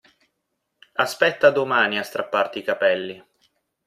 Aspetta a domani a strapparti i capelli.